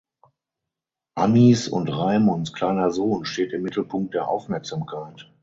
Annies und Raimunds kleiner Sohn steht im Mittelpunkt der Aufmerksamkeit.